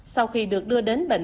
sau khi được đưa đến bệnh